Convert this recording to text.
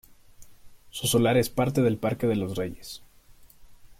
Su solar es parte del Parque de los Reyes.